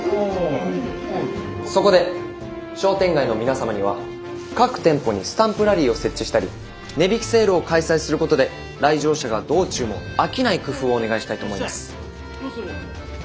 そこで商店街の皆様には各店舗にスタンプラリーを設置したり値引きセールを開催することで来場者が道中も飽きない工夫をお願いしたいと思います。